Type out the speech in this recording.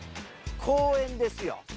公園ですよ。